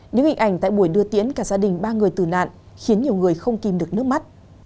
những hình ảnh tại buổi đưa tiễn cả gia đình ba người tử nạn khiến nhiều người không kìm được nước mắt